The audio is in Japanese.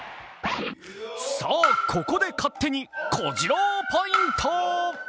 さあここで勝手に小次郎ポイント。